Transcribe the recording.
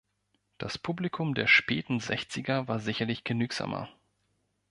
Das Publikum der späten Sechziger war sicherlich genügsamer.